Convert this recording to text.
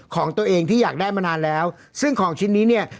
ของตัวเองที่อยากได้มานานแล้วซึ่งของชิ้นนี้เนี่ย